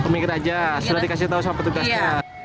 minggir aja sudah dikasih tahu siapa tugasnya